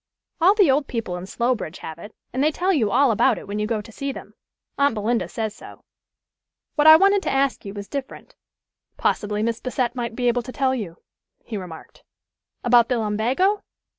All the old people in Slowbridge have it, and they tell you all about it when you go to see them. Aunt Belinda says so. What I wanted to ask you was different" "Possibly Miss Bassett might be able to tell you," he remarked. "About the lumbago?